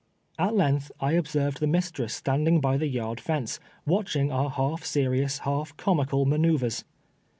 At length I observed the mistress standing by the yard fence, ■watching our half serious, half comical manoiuvres.